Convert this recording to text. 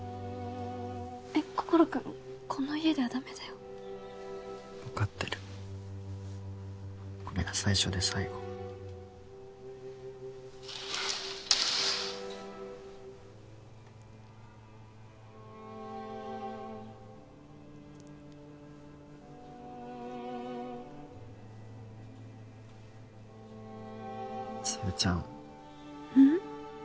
えっ心君この家ではダメだよ分かってるこれが最初で最後小夜ちゃんうん？